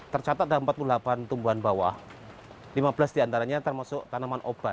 tercatat ada empat puluh delapan tumbuhan bawah lima belas diantaranya termasuk tanaman obat